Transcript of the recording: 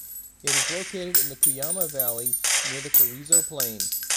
It is located in the Cuyama Valley, near the Carrizo Plain.